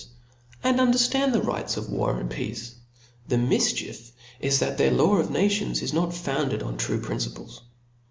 ^, and underftand the rights of war and peace. The mifchief is, that their lavy of nations is nbt founded on true principles.